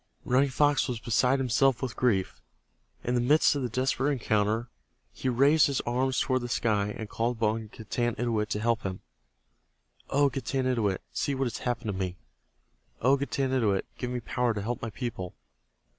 Running Fox was beside himself with grief. In the midst of the desperate encounter be raised his arms toward the sky and called upon Getanittowit to help him. "O Getanittowit, see what has happened to me. O Getanittowit, give me power to help my people.